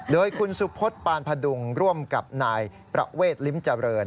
โดยคุณสุพศปานพดุงร่วมกับนายประเวทลิ้มเจริญ